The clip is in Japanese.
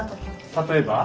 例えば？